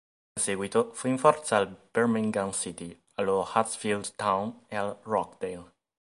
In seguito, fu in forza al Birmingham City, allo Huddersfield Town e al Rochdale.